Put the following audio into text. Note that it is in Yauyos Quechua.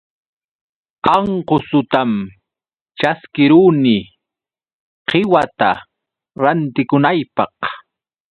Anqusutam ćhaskiruni qiwata rantikunaypaq.